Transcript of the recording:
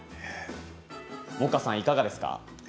萌歌さん、いかがですか？